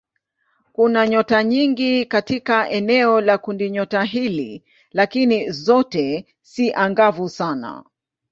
Kuna nyota nyingi katika eneo la kundinyota hili lakini zote si angavu sana.